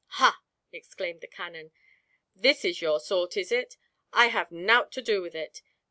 "Ha!" exclaimed the canon, "this is your sort, is it? I'll have nought to do with it!